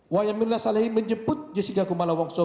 wayamirna salihin menjemput jessica kumala wongso